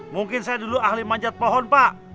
mungkin saya dulu ahli manjat pohon pak